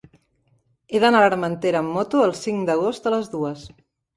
He d'anar a l'Armentera amb moto el cinc d'agost a les dues.